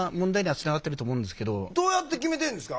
どうやって決めてんですか？